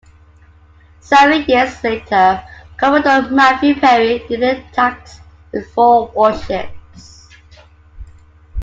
Seven years later, Commodore Matthew Perry did the task with four warships.